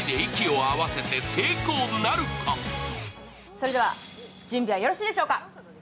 それでは準備はよろしいでしょうか。